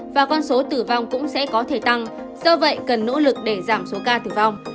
và con số tử vong cũng sẽ có thể tăng do vậy cần nỗ lực để giảm số ca tử vong